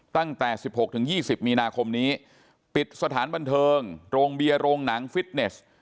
ตั้งแต่๑๖๒๐มีนาคมนี้ปิดสถานบันเทิงโรงเบียร์โรงหนังฟิตเนส